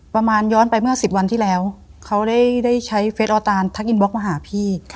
ย้อนไปเมื่อ๑๐วันที่แล้วเขาได้ใช้เฟสออตานทักอินบล็อกมาหาพี่